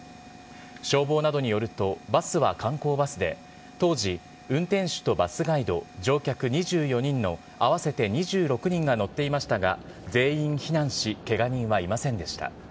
消防などによると、バスは観光バスで、当時、運転手とバスガイド、乗客２４人の合わせて２６人が乗っていましたが、全員避難し、けが人はいませんでした。